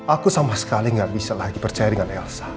aku sama sekali gak bisa lagi percaya dengan elsa